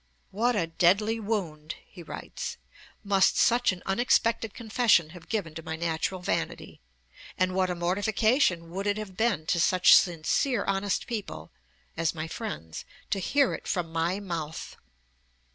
'What a deadly wound,' he writes, 'must such an unexpected confession have given to my natural vanity, and what a mortification would it have been to such sincere honest people [as my friends] to hear it from my mouth!'